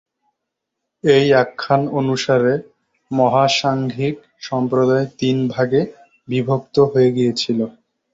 এই আখ্যান অনুসারে, মহাসাংঘিক সম্প্রদায় তিন ভাগে বিভক্ত হয়ে গিয়েছিল।